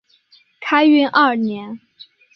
开运二年。